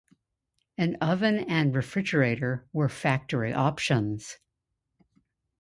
An oven and refrigerator were factory options.